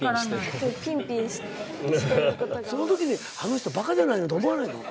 そのときにあの人バカじゃないのって思わないの？